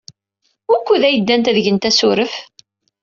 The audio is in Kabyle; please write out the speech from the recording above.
Wukud ay ddant ad gent asurf?